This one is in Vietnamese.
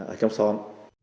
ở trong xóm